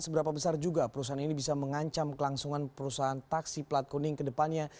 seberapa besar juga perusahaan ini bisa mengancam kelangsungan perusahaan taksi plat kuning ke depannya